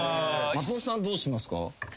松本さんどうしますか？